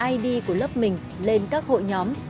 id của lớp mình lên các hội nhóm